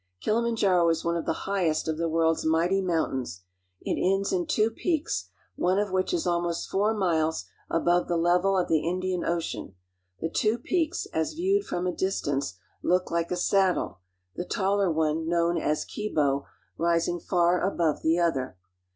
Kilimanjaro is one of the highest of the world's mighty mountains. It ends in two peaks, one of which is almost four miles above the level of the Indian Ocean. The two peaks as viewed from a distance look like a saddle, the taller one, known as Kibo (ke'bo), rising far above the THROUGH GKRMAN EAST AFRICA TO INDIAN OCEAN JS9l ajther.